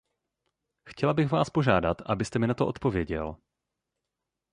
Chtěla bych vás požádat, abyste mi na to odpověděl.